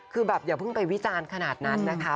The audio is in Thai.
คือแบบอย่าเพิ่งไปวิจารณ์ขนาดนั้นนะคะ